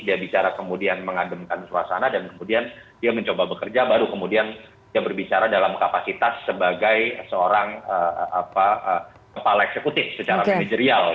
dia bicara kemudian mengademkan suasana dan kemudian dia mencoba bekerja baru kemudian dia berbicara dalam kapasitas sebagai seorang kepala eksekutif secara manajerial